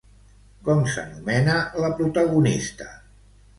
Com s'anomena la protagonista?